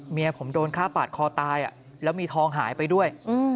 เมียผมโดนฆ่าปาดคอตายแล้วมีทองหายไปด้วย